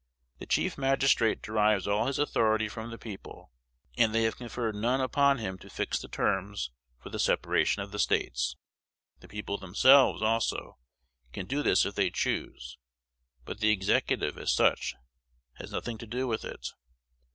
The chief magistrate derives all his authority from the people, and they have conferred none upon him to fix the terms for the separation of the States. The people themselves, also, can do this if they choose; but the Executive, as such, has nothing to do with it.